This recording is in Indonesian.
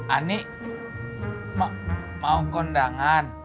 ani mau kondangan